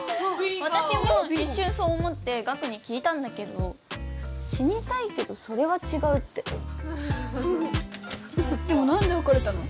私も一瞬そう思って岳に聞いたんだけど「死にたいけどそれは違う」ってでも何で別れたの？